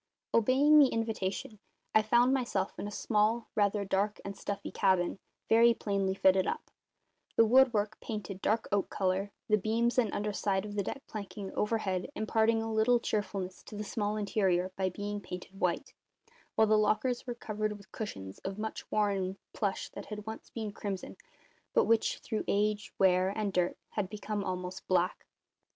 Obeying the invitation, I found myself in a small, rather dark and stuffy cabin, very plainly fitted up; the woodwork painted dark oak colour, the beams and underside of the deck planking overhead imparting a little cheerfulness to the small interior by being painted white, while the lockers were covered with cushions of much worn plush that had once been crimson, but which, through age, wear, and dirt, had become almost black.